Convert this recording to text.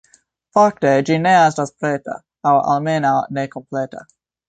Fakte ĝi ne estas preta, aŭ almenaŭ ne kompleta.